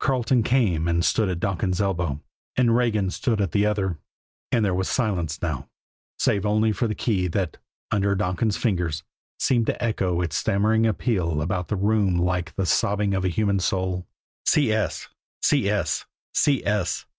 Carleton came and stood at Donkin's elbow, and Regan stood at the other; and there was silence now, save only for the key that, under Donkin's fingers, seemed to echo its stammering appeal about the room like the sobbing of a human soul.